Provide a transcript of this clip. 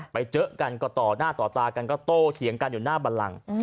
ไปเจอกันก็ต่อหน้าต่อตากันก็โตเถียงกันอยู่หน้าบันลัง